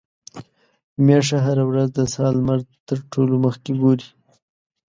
ميښه هره ورځ د سهار لمر تر ټولو مخکې ګوري.